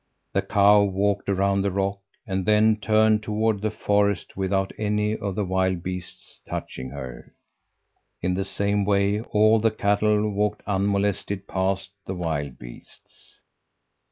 The cow walked around the rock and then turned toward the forest without any of the wild beasts touching her. In the same way all the cattle walked unmolested past the wild beasts.